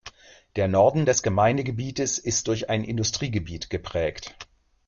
Der Norden des Gemeindegebietes ist durch ein Industriegebiet geprägt.